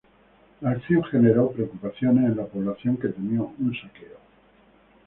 La acción generó preocupación en la población, que temió un saqueo.